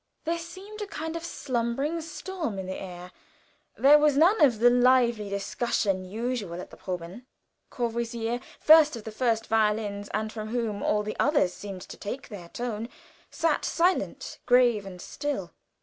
There seemed a kind of slumbering storm in the air. There was none of the lively discussion usual at the proben. Courvoisier, first of the first violins, and from whom all the others seemed to take their tone, sat silent, grave and still.